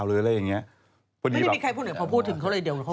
ไม่ได้มีใครพูดเหนือพอพูดถึงเขาเลยเดี๋ยวเขาคิด